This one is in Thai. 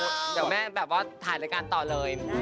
เดี๋ยวแม่แบบว่าถ่ายรายการต่อเลย